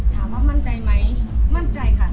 ถามว่ามั่นใจไหมมั่นใจค่ะ